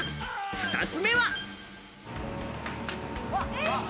２つ目は。